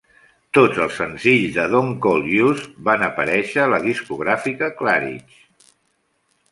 Tots els senzills de "Don't Call Us..." van aparéixer a la discogràfica Claridge.